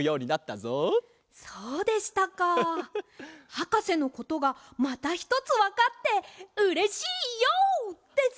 はかせのことがまたひとつわかってうれしいＹＯです！